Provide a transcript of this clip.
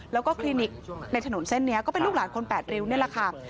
แล้วก็คลินิกในถนนเส้นนี้ก็เป็นลูกหลานคน๘ริ้วนี่แหละค่ะ